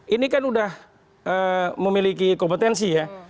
ini kan sudah memiliki kompetensi ya